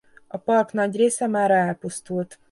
A park nagy része mára elpusztult.